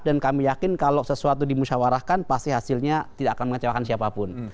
dan kami yakin kalau sesuatu dimusyawarahkan pasti hasilnya tidak akan mengecewakan siapapun